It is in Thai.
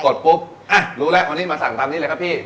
ดปุ๊บอ่ะรู้แล้ววันนี้มาสั่งตามนี้เลยครับพี่